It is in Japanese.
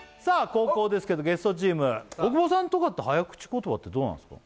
後攻ですけどゲストチーム大久保さんとかって早口言葉ってどうなんですか？